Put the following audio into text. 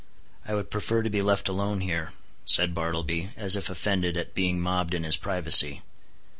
"I would prefer to be left alone here," said Bartleby, as if offended at being mobbed in his privacy.